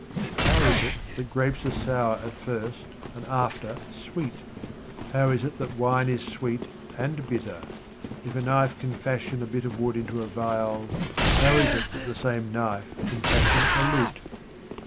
How is it that grapes are sour at first, and after sweet ? How is it that wine is sweet and bitter ? If a knife can fashion a bit of wood into a viol, how is it that the same knife can fashion a lute